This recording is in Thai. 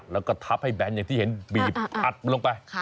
แล้วก็ทับให้แบนอย่างที่เห็นบีบอัดลงไป